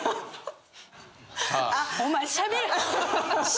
お前しゃべる。